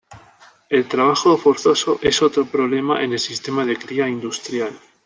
El trabajo forzoso es otro problema en el sistema de cría industrial.